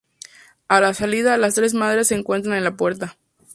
A la salida, las tres madres se encuentran en la puerta.